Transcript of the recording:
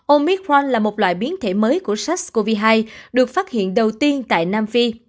omicron là một loại biến thể mới của sars cov hai được phát hiện đầu tiên tại nam phi